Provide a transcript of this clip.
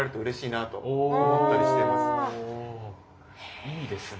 いいですね。